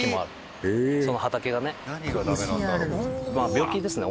病気ですね